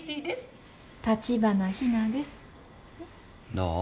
どう？